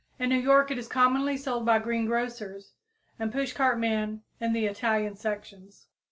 In New York it is commonly sold by greengrocers and pushcart men in the Italian sections.